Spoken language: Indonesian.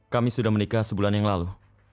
kami sudah menikah sebulan yang lalu